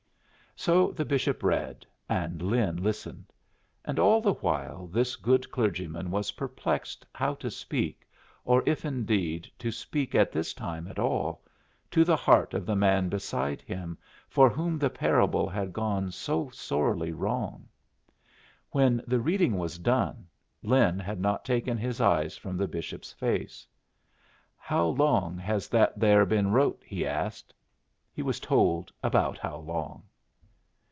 So the bishop read, and Lin listened. And all the while this good clergyman was perplexed how to speak or if indeed to speak at this time at all to the heart of the man beside him for whom the parable had gone so sorely wrong. When the reading was done, Lin had not taken his eyes from the bishop's face. "How long has that there been wrote?" he asked. He was told about how long.